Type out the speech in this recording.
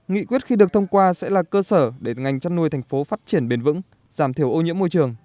nghị quyết khi được thông qua sẽ là cơ sở để ngành chăn nuôi thành phố phát triển bền vững giảm thiểu ô nhiễm môi trường